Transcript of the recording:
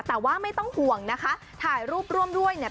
แต่ว่าไม่ต้องห่วงนะคะถ่ายรูปร่วมด้วยเนี่ย